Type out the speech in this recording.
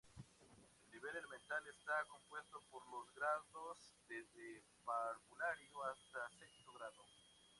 El nivel elemental está compuesto por los grados desde parvulario hasta sexto grado.